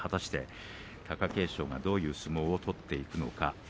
貴景勝はどんな相撲を取っていくのか。